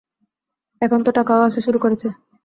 এখন তো টাকাও আসা শুরু করেছে।